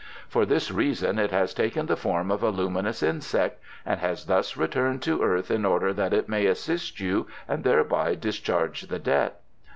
For this reason it has taken the form of a luminous insect, and has thus returned to earth in order that it may assist you and thereby discharge the debt."